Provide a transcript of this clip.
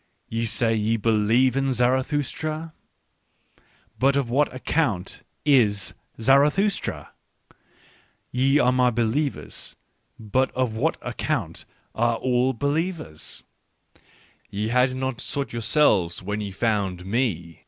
"Ye say ye believe in Zarathustra? But of what account is Zarathustra ? Ye are my be lievers : but of what account are all believers ? "Ye had not yet sought yourselves when ye found me.